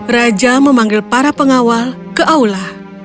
raja memanggil para pengawal ke aula